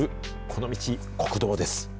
この道、国道です。